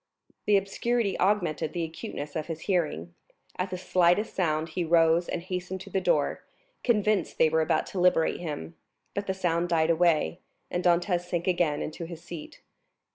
The obscurity augmented the acuteness of his hearing; at the slightest sound he rose and hastened to the door, convinced they were about to liberate him, but the sound died away, and Dantès sank again into his seat.